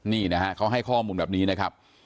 นี่นะฮะเขาให้ข้อมูลแบบนี้นะครับ